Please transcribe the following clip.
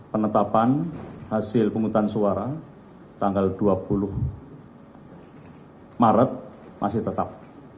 penetapan hasil penghutang suara tanggal dua puluh maret masih tetap